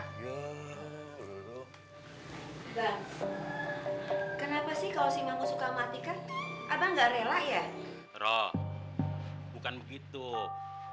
kenapa sih kalau si manggu suka matikan